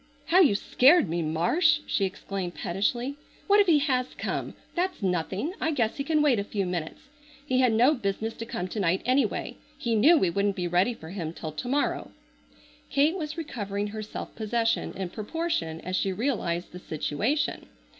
"How you scared me, Marsh!" she exclaimed pettishly. "What if he has come? That's nothing. I guess he can wait a few minutes. He had no business to come to night anyway. He knew we wouldn't be ready for him till to morrow." Kate was recovering her self possession in proportion as she realized the situation.